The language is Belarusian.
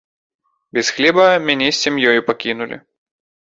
Без хлеба мяне з сям'ёю пакінулі.